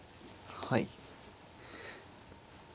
はい。